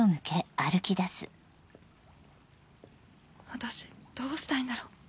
私どうしたいんだろ。